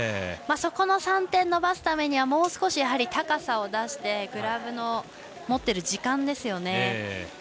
そこの３点伸ばすためにはもう少し高さを出してグラブの持っている時間ですよね。